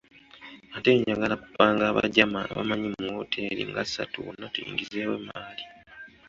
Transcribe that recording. Ate njagala kupanga abajama abamanyi mu wooteeri nga ssatu wonna tuyingizeewo emmaali.